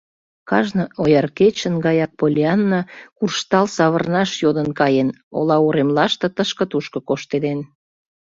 Кажне ояр кечын гаяк Поллианна «куржтал савырнаш» йодын каен, ола уремлаште тышке-тушко коштеден.